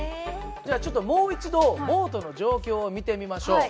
じゃあちょっともう一度ボートの状況を見てみましょう。